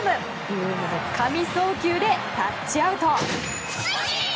神送球でタッチアウト。